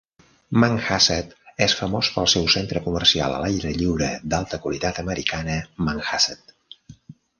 Manhasset és famós pel seu centre comercial a l'aire lliure d'alta qualitat Americana Manhasset.